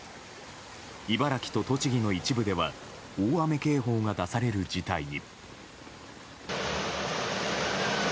茨城と栃木の一部では大雨警報が出される事態に。